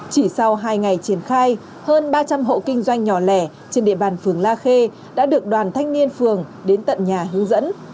chỉ sau hai ngày triển khai hơn ba trăm linh hộ kinh doanh nhỏ lẻ trên địa bàn phường la khê đã được đoàn thanh niên phường đến tận nhà hướng dẫn